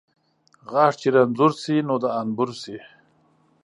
ـ غاښ چې رنځور شي ، نور د انبور شي .